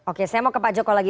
oke saya mau ke pak joko lagi